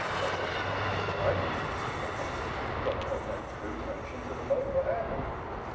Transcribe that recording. Of course, he don't know why he wants to go. He ain*t got no true notions of the life whatever.